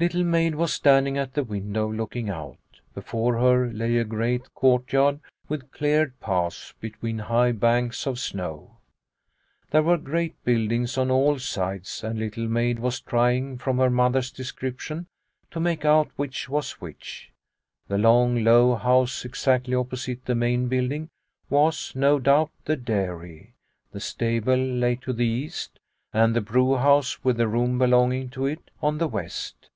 Little Maid was standing at the window, looking out. Before her lay a great courtyard with cleared paths between high banks of snow. There were great buildings on all sides, and Little Maid was trying from her mother's description to make out which was which. The long, low house exactly opposite the main building was, no doubt, the dairy; the stable lay to the east, and the brew house with the room belonging to it on the west.